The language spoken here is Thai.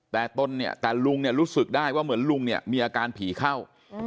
แต่ตนเนี่ยแต่ลุงเนี่ยรู้สึกได้ว่าเหมือนลุงเนี่ยมีอาการผีเข้า